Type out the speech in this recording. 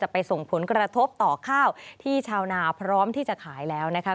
ไปส่งผลกระทบต่อข้าวที่ชาวนาพร้อมที่จะขายแล้วนะคะ